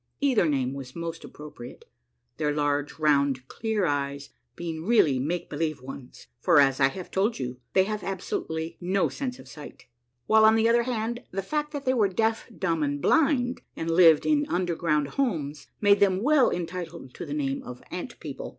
Either name was most appropriate, their large, round, clear eyes being really make believe ones, for, as I have told you, they had absolutely no sense of sight ; while on the other hand, the fact that they were deaf, dumb, and blind, and lived in underground homes, made them well entitled to the name of Ant People.